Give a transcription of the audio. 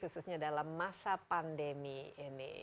khususnya dalam masa pandemi ini